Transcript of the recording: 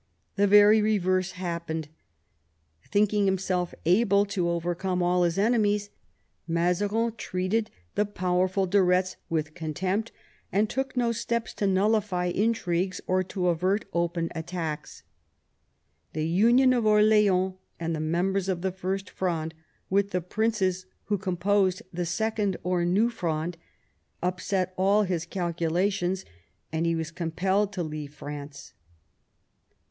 The very reverse happened. Thinking himself able to overcome all his enemies, Mazarin treated the powerful de Eetz with contempt, and took no steps to nullify intrigues or to avert open attacks. The imion of Orleans and the members of the First Fronde with the princes who composed the Second or New Fronde upset all his calculations, and he was compelled to leave France.